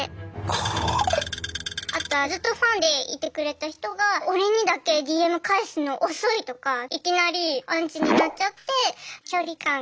あとはずっとファンでいてくれた人が「俺にだけＤＭ返すの遅い」とかいきなりアンチになっちゃって距離感が難しいです。